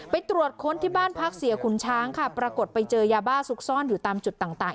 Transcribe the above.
ไปตรวจค้นที่บ้านพักเสียขุนช้างค่ะปรากฏไปเจอยาบ้าซุกซ่อนอยู่ตามจุดต่าง